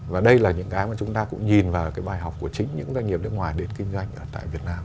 và đây là những cái mà chúng ta cũng nhìn vào cái bài học của chính những doanh nghiệp nước ngoài đến kinh doanh ở tại việt nam